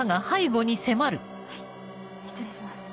はい失礼します。